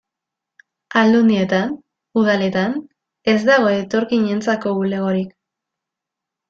Aldundietan, udaletan, ez dago etorkinentzako bulegorik.